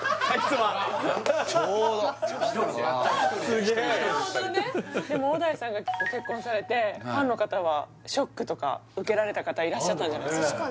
ちょうどっすげえなるほどねでも小田井さんがご結婚されてファンの方はショックとか受けられた方いらっしゃったんじゃないですか